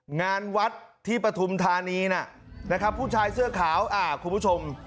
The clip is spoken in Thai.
งานวัดที่ปฐุมธานีนะครับผู้ชายเสื้อขาวคุณผู้ชม